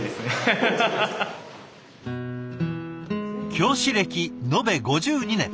教師歴延べ５２年。